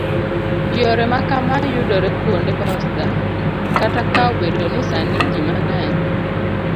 yore ma kamaa yudore kwonde posta, kata ka obedo ni sani ji mang'eny